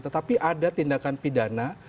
tetapi ada tindakan pidana